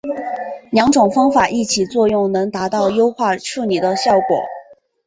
两种方法一起作用能达到优化处理的效果。